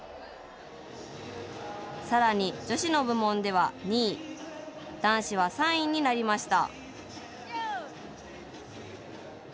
さらに女子の部門では２位、男子は３位になりました。